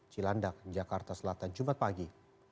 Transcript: cilandak jakarta selatan jumat pagi